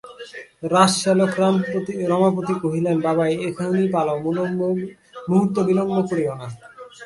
রাজশ্যালক রমাপতি কহিলেন, বাবা, এখনই পালাও, মুহূর্ত বিলম্ব করিয়ো না।